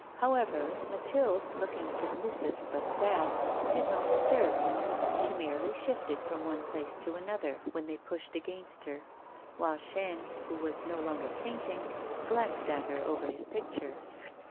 However, Mathilde, looking submissive but sad, did not stir. She merely shifted from one place to another, when they pushed against her, while Chaîne, who was no longer painting, glanced at her over his picture.